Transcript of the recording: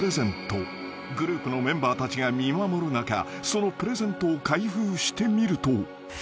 ［グループのメンバーたちが見守る中そのプレゼントを開封してみると］